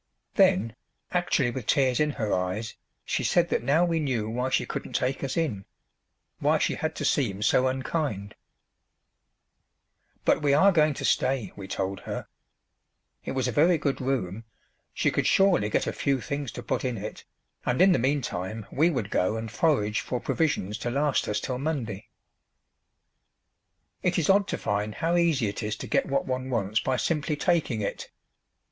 Then, actually with tears in her eyes, she said that now we knew why she couldn't take us in why she had to seem so unkind. But we are going to stay, we told her. It was a very good room; she could surely get a few things to put in it, and in the meantime we would go and forage for provisions to last us till Monday. It is odd to find how easy it is to get what one wants by simply taking it!